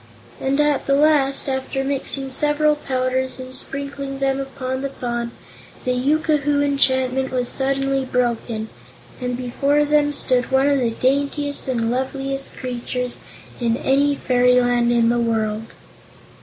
And at the last, after mixing several powders and sprinkling them upon the Fawn, the yookoohoo enchantment was suddenly broken and before them stood one of the daintiest and loveliest creatures in any fairyland in the world.